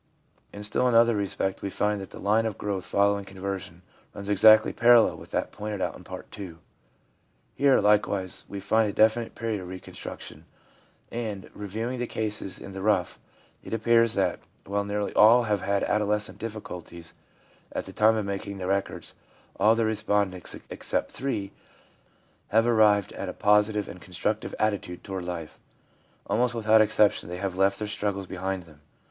In still another respect we find that the line of growth following conversion runs exactly parallel with that pointed out in Part II. Here, likewise, we find a definite period of reconstruction ; and, reviewing the cases in the rough, it appears that while nearly all have had adolescent difficulties, at the time of making the records all of the respondents except three have arrived at a positive and constructive attitude toward life. Almost without exception they have left their struggles behind them.